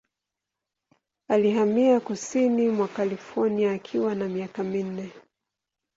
Alihamia kusini mwa California akiwa na miaka minne.